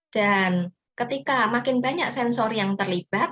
dan ketika makin banyak sensory yang terlibat